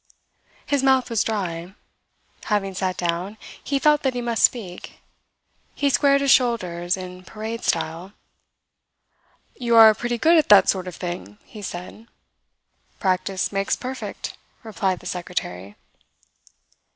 His mouth was dry. Having sat down, he felt that he must speak. He squared his shoulders in parade style. "You are pretty good at that sort of thing," he said. "Practice makes perfect," replied the secretary.